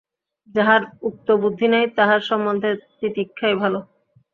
যাঁহার উক্ত বুদ্ধি নাই, তাঁহার সম্বন্ধে তিতিক্ষাই ভাল।